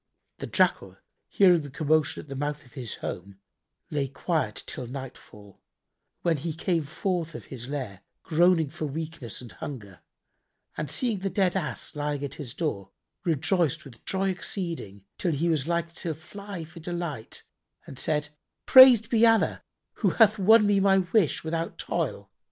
The Jackal, hearing the commotion at the mouth of his home, lay quiet till nightfall, when he came forth of his lair, groaning for weakness and hunger, and seeing the dead Ass lying at his door, rejoiced with joy exceeding till he was like to fly for delight and said, "Praised be Allah who hath won me my wish without toil!